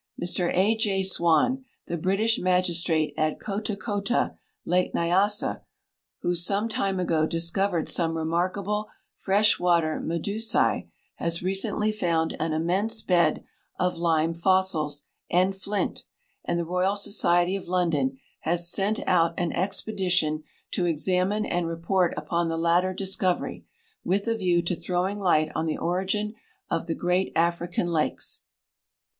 Mr A. J. Swann, the British magistrate at Kotakota, lake Nya.«sa, who some time ago discovered some remarkable fresh water medusa;, has recently found an immense bed of lime fo.ssils 252 MISCELLANEA and flint, and the Royal Society of London has sent out an expedition to examine and report upon tlie latter discovery, with a view to throwing light on the origin of the great African lakes.